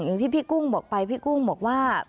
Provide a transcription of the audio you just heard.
อย่างที่พี่กุ้งบอกไปพี่กุ้งบอกว่า